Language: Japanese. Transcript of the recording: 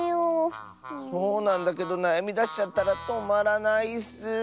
そうなんだけどなやみだしちゃったらとまらないッス。